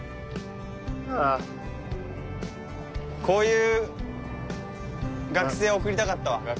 こういう学生を送りたかったわ。